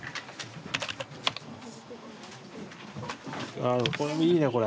ああこれもいいねこれ。